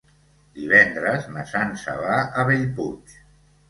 Divendres na Sança va a Bellpuig.